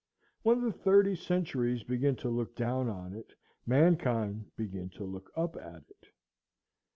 When the thirty centuries begin to look down on it, mankind begin to look up at it.